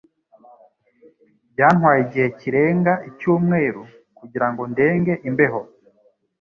Byantwaye igihe kirenga icyumweru kugirango ndenge imbeho.